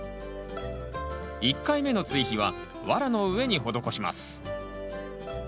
１回目の追肥はワラの上に施します。